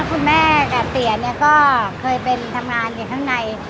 คุณแม่กับเตี๋ยเนี่ยก็เคยเป็นทำงานอยู่ข้างใน